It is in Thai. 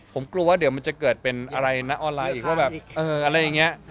ผมกลัวว่าเดี๋ยวมันจะเกิดเป็นอะไรนะออนไลน์อีกว่าแบบเอออะไรอย่างนี้